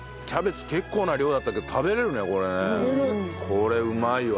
これうまいわ。